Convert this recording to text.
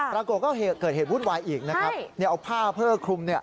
ปรากฏก็เกิดเหตุวุ่นวายอีกนะครับเอาผ้าเพื่อคลุม